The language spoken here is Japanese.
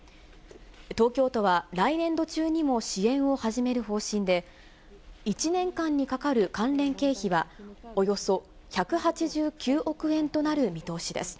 東京都は来年度中にも支援を始める方針で、１年間にかかる関連経費は、およそ１８９億円となる見通しです。